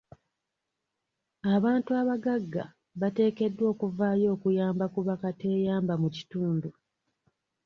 Abantu abagagga bateekeddwa okuvaayo okuyamba ku bakateyamba mu kitundu.